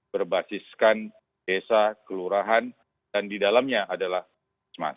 berbasiskan desa kelurahan dan di dalamnya adalah